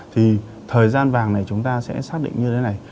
thì thời gian vàng này chúng ta sẽ xác định như thế này